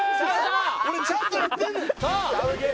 俺ちゃんとやってんねん。